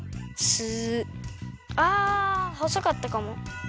あほそかったかも。